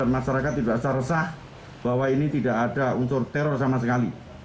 masyarakat tidak usah resah bahwa ini tidak ada unsur teror sama sekali